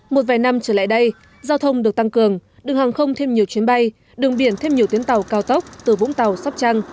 một vài năm trở lại đây giao thông được tăng cường đường hàng không thêm nhiều chuyến bay đường biển thêm nhiều tuyến tàu cao tốc từ vũng tàu sắp trăng